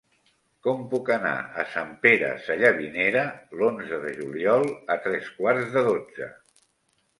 Com puc anar a Sant Pere Sallavinera l'onze de juliol a tres quarts de dotze?